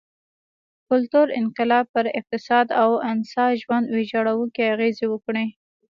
کلتوري انقلاب پر اقتصاد او انسا ژوند ویجاړوونکې اغېزې وکړې.